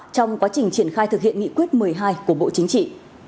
trong quá trình triển khai thực hiện nghị quyết một mươi hai của bộ chính trị